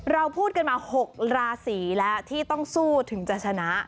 เราพูดกันมา๖ราศีแล้วที่ต้องสู้ถึงจะชนะ